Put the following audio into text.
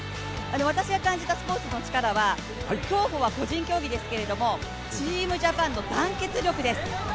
私が感じたスポーツのチカラは、競歩は個人競技ですがチームジャパンの団結力です。